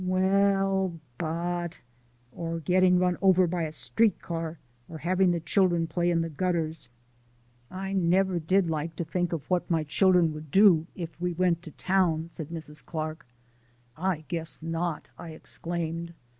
"Well, but " "Or getting run over by a street car, or having the children play in the gutters." "I never did like to think of what my children would do if we went to town," said Mrs. Clark. "I guess not!" I exclaimed.